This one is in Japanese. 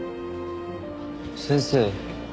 先生。